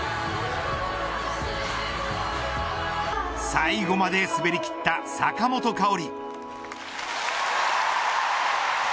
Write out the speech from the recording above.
最後まで滑りきった坂本花織。